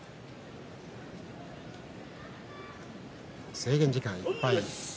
制限時間いっぱいです。